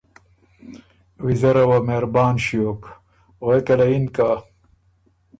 ویزره وه مهربان ݭیوک غوېکه له یِن که